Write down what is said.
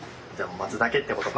待つだけってことか。